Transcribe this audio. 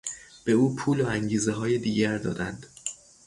به او پول و انگیزههای دیگر دادند.